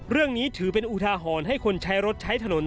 เรื่องนี้ถือเป็นอุทาหรณ์ให้คนใช้รถใช้ถนน